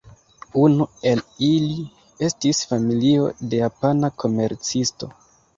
Unu el ili estis familio de japana komercisto.